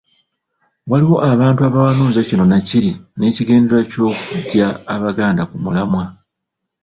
Waliwo abantu abawanuuza kino nakiri n'ekigendererwa ky'okuggya Abaganda ku mulamwa.